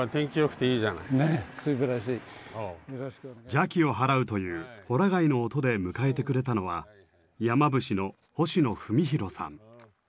邪気を払うというほら貝の音で迎えてくれたのは山伏の星野文紘さん。